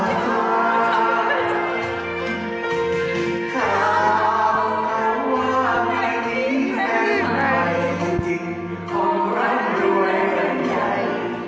ข้าบอกกันว่าในนี้แค่ไหนจริงของเรารวยกันใหญ่